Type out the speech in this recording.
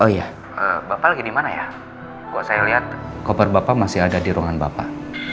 hai oh iyaaza lagi dimana ya gue saya lihat kompar bapak masih ada di ruangan bapak